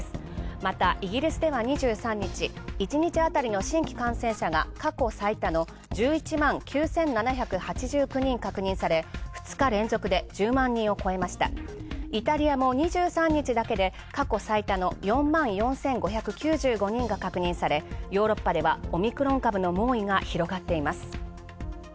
またイギリスでは２３日、１日あたりの新規感染者数が過去最多の１１万９７８９人確認され、２日連続で１０万人をこえましたイタリアも２３日だけで４万４５９５人が確認され、ヨーロッパではオミクロン株の猛威が広がっています。